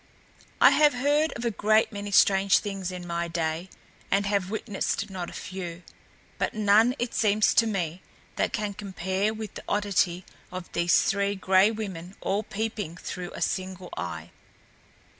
I have heard of a great many strange things in my day, and have witnessed not a few, but none, it seems to me, that can compare with the oddity of these Three Gray Women all peeping through a single eye.